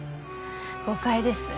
誤解です。